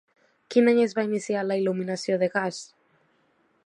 Quin any es va iniciar la il·luminació de gas?